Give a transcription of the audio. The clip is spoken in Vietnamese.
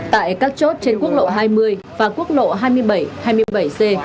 tại các chốt trên quốc lộ hai mươi và quốc lộ hai mươi bảy hai mươi bảy c